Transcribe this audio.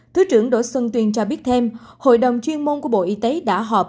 thứ trưởng đỗ xuân tuyên cho biết thêm hội đồng chuyên môn của bộ y tế đã họp